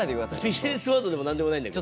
ビジネスワードでも何でもないんだけど。